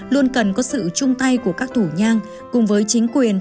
luôn cần có sự chung tay của các thủ nhang cùng với chính quyền